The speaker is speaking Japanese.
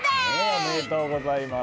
おめでとうございます！